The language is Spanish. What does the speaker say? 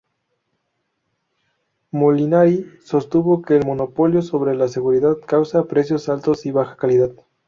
Molinari sostuvo que el monopolio sobre la seguridad causa precios altos y baja calidad.